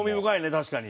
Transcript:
確かに。